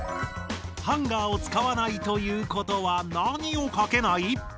ハンガーを使わないということはなにをかけない？